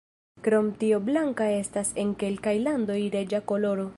Krom tio blanka estas en kelkaj landoj reĝa koloro.